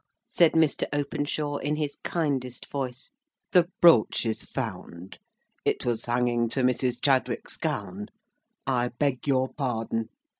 said Mr. Openshaw, in his kindest voice, "the brooch is found. It was hanging to Mrs. Chadwick's gown. I beg your pardon.